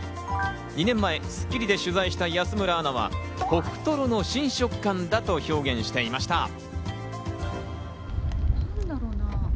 ２年前『スッキリ』で取材した安村アナは、ホクトロの新食感だと表現していました。